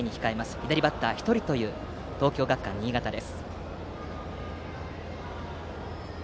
左バッター１人という東京学館新潟です。